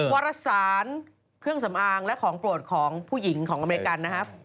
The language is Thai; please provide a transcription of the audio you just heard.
วัดละศาลเครื่องสำอางแล้วของปลดของผู้หญิงของอเมริกันนะฮะ